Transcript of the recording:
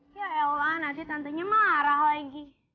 ya allah nanti tantenya marah lagi